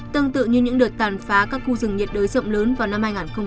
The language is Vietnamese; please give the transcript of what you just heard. tương tự như những đợt tàn phá các khu rừng nhiệt đới rộng lớn vào năm hai nghìn hai mươi